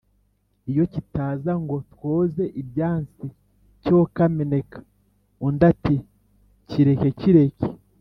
iyo kitaza ngo twoze ibyansi cyo kameneka.” undi ati: “kireke, kireke,